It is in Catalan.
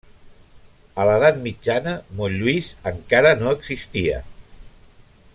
A l'Edat Mitjana, Montlluís encara no existia.